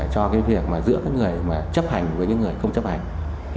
cho việc giữa những người chấp hành với những người không chấp hành